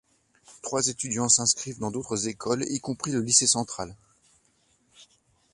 Trois étudiants s'inscrivent dans d'autres écoles, y compris le lycée central.